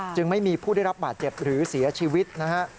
จึงไม่มีผู้ได้รับบาดเจ็บหรือเสียชีวิตนะฮะ